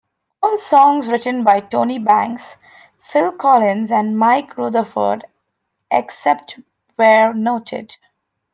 All songs written by Tony Banks, Phil Collins, and Mike Rutherford, except where noted.